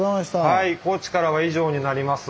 はい高知からは以上になります。